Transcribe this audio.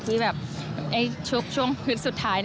ที่แบบช่วงพื้นสุดท้าย